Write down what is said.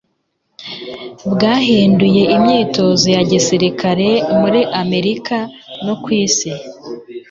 bwahinduye imyitozo ya gisirikare muri Amerika no ku isi.